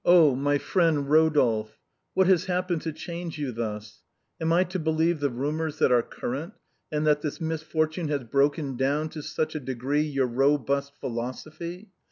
my friend Eodolphe, what has happened to change you thus ? Am I to believe tiie rumors that are current, and that this misfortune has broken down to such a degree your robust philosophy?